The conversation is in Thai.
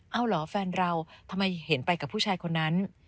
เอาเหรอแฟนเราทำไมเห็นไปกับผู้ชายคนนั้น